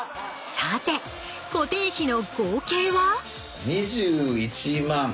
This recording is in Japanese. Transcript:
さて固定費の合計は？